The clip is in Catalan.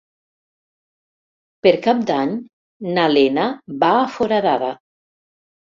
Per Cap d'Any na Lena va a Foradada.